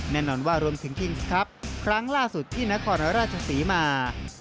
แน่นอนว่ารวมถึงคิงส์ครับครั้งล่าสุดที่นครราชศรีมา